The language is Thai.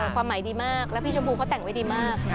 ความหมายดีมากแล้วพี่ชมพูเขาแต่งไว้ดีมาก